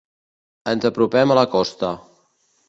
Ens apropem a la costa.